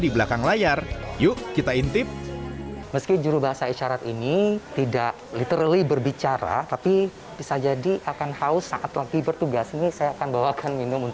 betul tidak terlihat oralnya